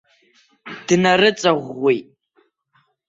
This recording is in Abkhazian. Днарыҵаӷәӷәеит.